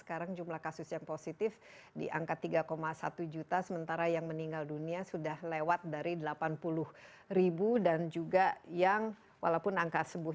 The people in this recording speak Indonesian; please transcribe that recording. kemudian uji klinik fase satu bisa dimulai di bulan desember